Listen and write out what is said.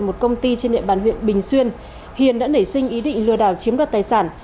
một công ty trên địa bàn huyện bình xuyên hiền đã nảy sinh ý định lừa đảo chiếm đoạt tài sản